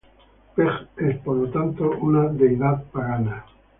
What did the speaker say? Peg es, por lo tanto, una deidad pagana.